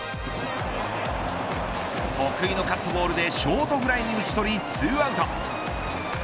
得意のカットボールでショートフライに打ち取り２アウト。